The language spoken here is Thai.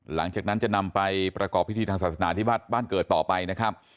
หลังจากนั้นจะนำไปประกอบพิธีทางศาสนาที่บ้านเกิดต่อไปนะครับ